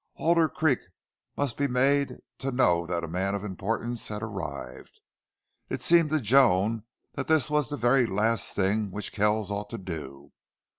Alder Creek must be made to know that a man of importance had arrived. It seemed to Joan that this was the very last thing which Kells ought to do.